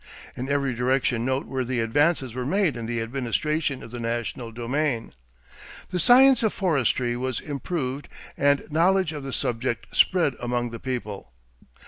In every direction noteworthy advances were made in the administration of the national domain. The science of forestry was improved and knowledge of the subject spread among the people.